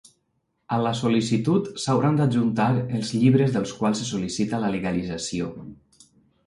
A la sol·licitud s'hauran d'adjuntar els llibres dels quals se sol·licita la legalització.